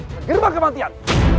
ke gerbang kematian